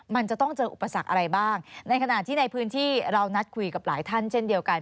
มันจะต้องเจออุปสรรคอะไรบ้างในขณะที่ในพื้นที่เรานัดคุยกับหลายท่านเช่นเดียวกัน